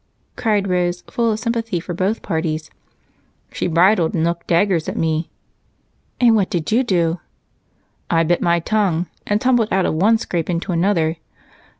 cried Rose, full of sympathy for both parties. "She bridled and looked daggers at me." "And what did you do?" "I bit my tongue and tumbled out of one scrape into another.